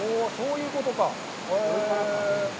そういうことか。